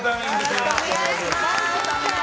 よろしくお願いします。